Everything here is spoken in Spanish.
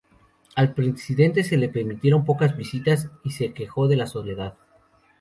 Al presidente se le permitieron pocas visitas y se quejó de la soledad.